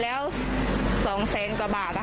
ความปลอดภัยของนายอภิรักษ์และครอบครัวด้วยซ้ำ